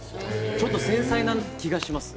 ちょっと繊細な気がします。